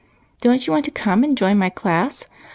" Don't you want to come and join my class